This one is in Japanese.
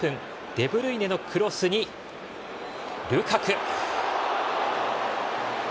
デブルイネのクロスにルカク。